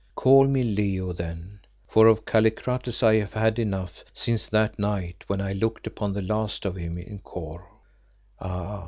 Call me Leo, then, for of Kallikrates I have had enough since that night when I looked upon the last of him in Kôr." "Ah!